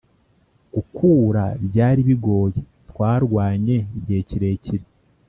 gukura byari bigoye twarwanye igihe kirekire